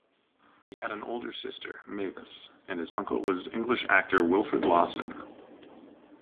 He had an older sister, Mavis, and his uncle was English actor Wilfrid Lawson.